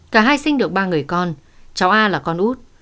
cả hai sinh được ba người con cháu a là con út